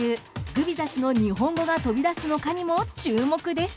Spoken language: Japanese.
グビザ氏の日本語が飛び出すのかにも注目です。